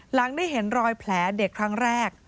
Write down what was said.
หลังได้เห็นรอยแผลเด็กครั้งแรก